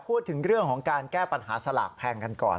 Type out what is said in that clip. พูดถึงเรื่องของการแก้ปัญหาสลากแพงกันก่อน